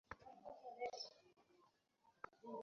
যে সকলের সকলের অনুগ্রহের জন্য তৃষ্ণার্ত।